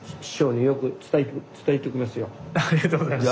ありがとうございます。